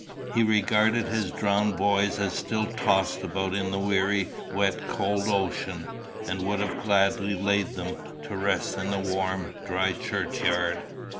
He regarded his drowned boys as still tossed about in the weary wet cold ocean, and would have gladly laid them to rest in the warm dry churchyard.